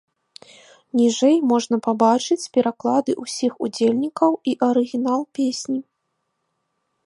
Ніжэй можна пабачыць пераклады ўсіх удзельнікаў і арыгінал песні.